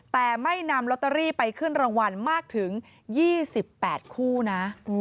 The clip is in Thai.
แต่ไม่นำลอตเตอรี่ไปขึ้นรางวัลมากถึง๒๘คู่นะ